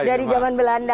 dari zaman belanda